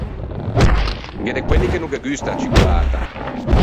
Gh’é de quelli che no ghe gusta a ciccolata.